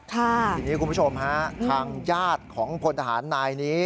ทีนี้คุณผู้ชมฮะทางญาติของพลทหารนายนี้